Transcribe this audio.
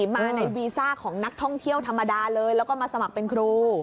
มาในวีซ่าของนักท่องเที่ยวธรรมดาเลยแล้วก็มาสมัครเป็นครู